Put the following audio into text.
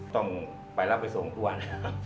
ต้องไปรับไปทุกวัน